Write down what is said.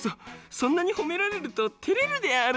そんなにほめられるとてれるであるドン。